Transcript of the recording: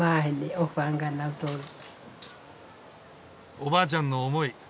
おばあちゃんの思い